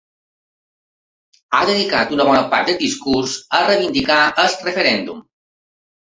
Ha dedicat una bona part del discurs a reivindicar el referèndum.